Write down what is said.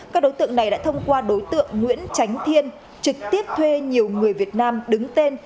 các đối tượng này đã thông qua đối tượng nguyễn tránh thiên trực tiếp thuê nhiều người việt nam đứng tên